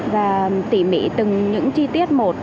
và tỉ mỉ từng những chi tiết một